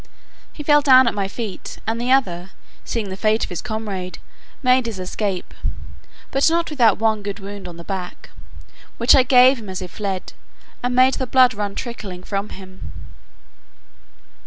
He fell down at my feet; and the other, seeing the fate of his comrade, made his escape, but not without one good wound on the back, which I gave him as he fled, and made the blood run trickling from him.